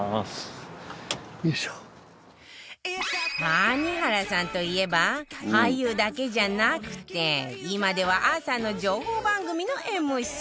谷原さんといえば俳優だけじゃなくて今では朝の情報番組の ＭＣ